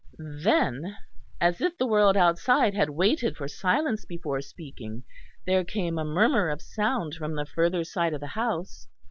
Then, as if the world outside had waited for silence before speaking, there came a murmur of sound from the further side of the house.